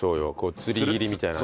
つり切りみたいなね。